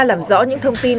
làm rõ những thông tin